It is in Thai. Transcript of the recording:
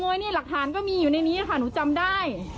เนี่ยหลักฐานก็มีอยู่ในนี้ค่ะหนูจำได้